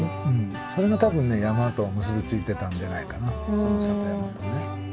それが多分ね山と結び付いてたんじゃないかなその里山とね。